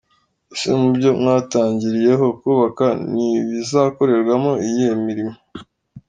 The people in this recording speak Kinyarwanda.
Ese mu byo mwatangiriyeho kubaka ni ibizakorerwamo iyihe mirimo?.